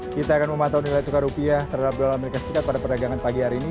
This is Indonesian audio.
kita akan memantau nilai tukar rupiah terhadap dolar as pada perdagangan pagi hari ini